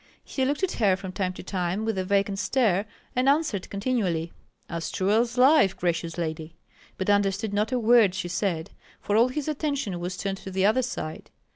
He looked at her from time to time with a vacant stare, and answered continually, "As true as life, gracious lady!" but understood not a word she said, for all his attention was turned to the other side.